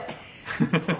フフフフ！